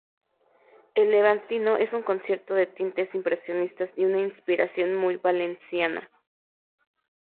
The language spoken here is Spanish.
El Levantino es un concierto de tintes impresionistas y una inspiración muy valenciana.